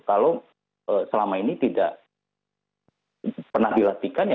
kalau selama ini tidak pernah dilatihkan ya